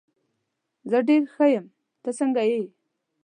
زه ډېر ښه یم، ته څنګه یې؟